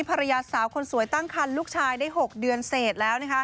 ภรรยาสาวคนสวยตั้งคันลูกชายได้๖เดือนเสร็จแล้วนะคะ